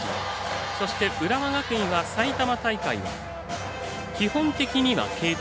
そして、浦和学院は埼玉大会基本的には継投。